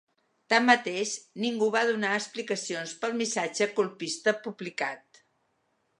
Tanmateix, ningú va donar explicacions pel missatge colpista publicat.